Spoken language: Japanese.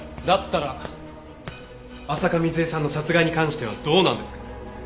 だったら浅香水絵さんの殺害に関してはどうなんですか？